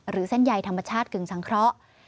เส้นใยธรรมชาติกึ่งสังเคราะห์